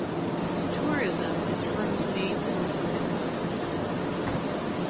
Tourism is Herm's main source of income.